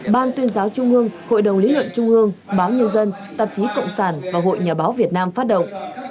ban tuyên giáo trung ương hội đồng lý luận trung ương báo nhân dân tạp chí cộng sản và hội nhà báo việt nam phát động